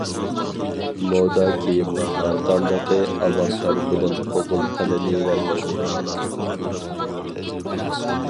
مودا كىيىمنىڭ ھەرقاندىقى ئاۋام تەرىپىدىن قوبۇل قىلىنىۋەرمەيدۇ.